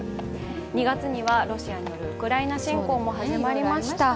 ２月にはロシアによるウクライナ侵攻も始まりました。